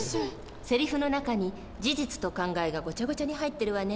セリフの中に事実と考えがごちゃごちゃに入ってるわね。